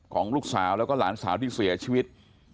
ของลูกสาวแล้วก็หลานสาวที่เสียชีวิต